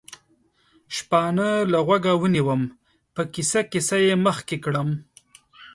شپانه له غوږه ونیوم، په کیسه کیسه یې مخکې کړم.